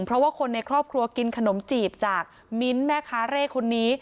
เพราะว่าคนในครอบครัวกินขนมจีบจากมิ้นท์แม่ค้าเร่คนนี้